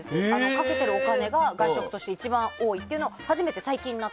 かけてるお金が外食として一番多いということで。